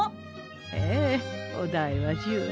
ええお代は１０円。